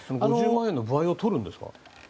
５０万円の歩合をとるんですか。